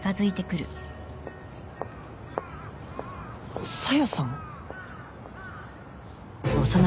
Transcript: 小夜さん？